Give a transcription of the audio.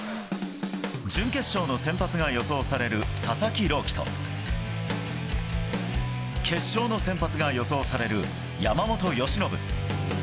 準決勝の先発が予想される佐々木朗希と、決勝の先発が予想される山本由伸。